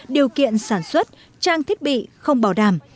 điều kiện sản xuất trang thiết bị không bảo đảm